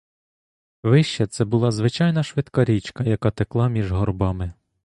Вище це була звичайна швидка річка, яка текла між горбами.